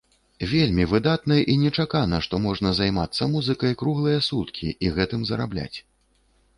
Вельмі выдатна і нечакана, што можна займацца музыкай круглыя суткі і гэтым зарабляць.